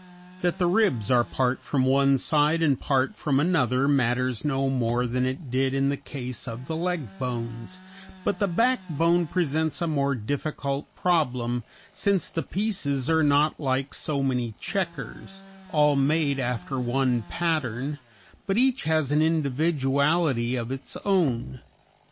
That the ribs are part from one side and part from another matters no more than it did in the case of the leg bones; but the backbone presents a more difficult problem, since the pieces are not like so many checkers all made after one pattern but each has an individuality of its own.